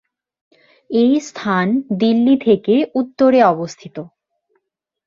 এই স্থান দিল্লি থেকে উত্তরে অবস্থিত।